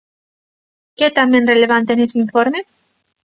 ¿Que é tamén relevante nese informe?